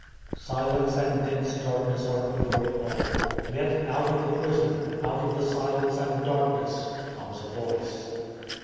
Silence and dense darkness are over it all. Yet out of the prison, out of the silence and the darkness, comes a Voice.